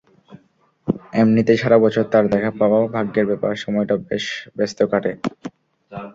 এমনিতে সারা বছর তাঁর দেখা পাওয়া ভাগ্যের ব্যাপার, সময়টা বেশ ব্যস্ত কাটে।